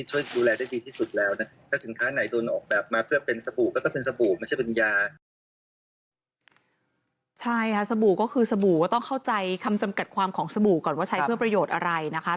ใช่ค่ะสบู่ก็คือสบู่ก็ต้องเข้าใจคำจำกัดความของสบู่ก่อนว่าใช้เพื่อประโยชน์อะไรนะคะ